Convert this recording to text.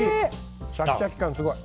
シャキシャキ感すごい。